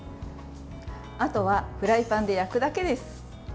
あとはフライパンで焼くだけです。